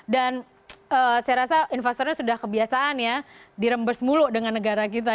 dan saya rasa investornya sudah kebiasaan ya dirembes mulu dengan negara kita